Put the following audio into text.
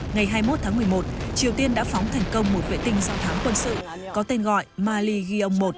ngày hai mươi một tháng một mươi một triều tiên đã phóng thành công một vệ tinh do thám quân sự có tên gọi mali gyong một